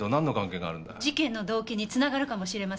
事件の動機に繋がるかもしれません。